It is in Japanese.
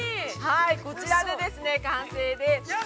こちらで完成で。